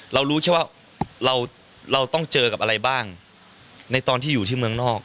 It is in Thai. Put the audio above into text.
เรารู้แค่ว่าเราต้องเจอกับอะไรบ้างในตอนที่อยู่ที่เมืองนอก